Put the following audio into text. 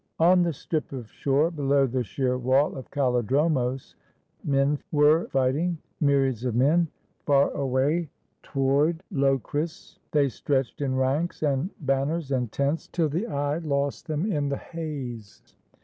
On the strip of shore, below the sheer wall of Kallidromos, men were fighting — myriads of men, far away toward Locris they stretched in ranks and ban ners and tents till the eye lost them in the haze.